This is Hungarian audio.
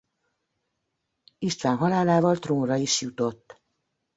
István halálával trónra is jutott.